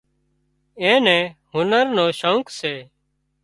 اين نين هنر نو شوق سي